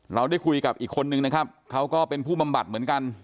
เราได้คุยกับอีกคนนึงนะครับเขาก็เป็นผู้บำบัดเหมือนกัน